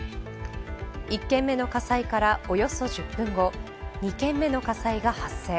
１件目の火災からおよそ１０分後２件目の火災が発生。